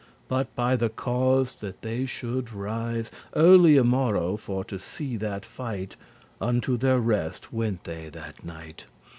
But by the cause that they shoulde rise Early a morrow for to see that fight, Unto their reste wente they at night.